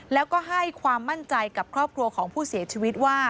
แล้วก็ให้ความมั่นใจกับครอบครัวของผู้เสียชีวิตว่า